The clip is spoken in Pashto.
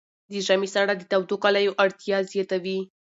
د ژمي ساړه د تودو کالیو اړتیا زیاتوي.